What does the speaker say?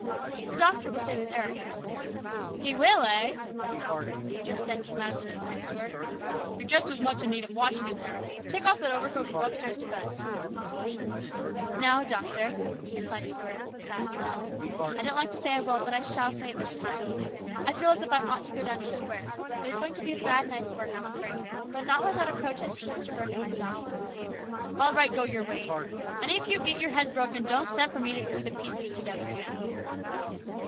The doctor will stay with Eric." " He will, eh!" said the doctor, who just then came out of the room behind Stuart. " You're as much in need of watching as Eric. Take off that overcoat and go upstairs to bed !"" Now, doctor," replied Stuart with a sad smile, " I don't like to say I won't, but I shall say it this time. I feel as if I ought to go down to the square. There is going to be a bad night's work, I'm afraid, but not without a protest from Mr. Burke and myself." " All right, go your ways ! And if you get your heads broken, don't send for me to glue the pieces together again."